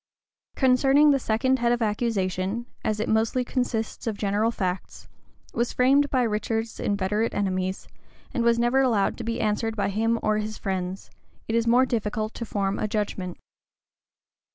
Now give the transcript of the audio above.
Concerning the second head of accusation, as it mostly consists of general facts, was framed by Richard's inveterate enemies, and was never allowed to be answered by him or his friends, it is more difficult to form a judgment.